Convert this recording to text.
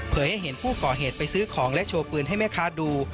ให้เห็นผู้ก่อเหตุไปซื้อของและโชว์ปืนให้แม่ค้าดู